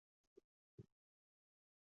积极从事反清革命活动。